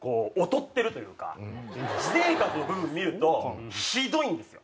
私生活の部分見るとひどいんですよ。